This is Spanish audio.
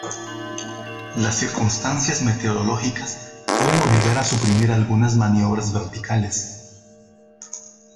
Las circunstancias meteorológicas pueden obligar a suprimir algunas maniobras verticales.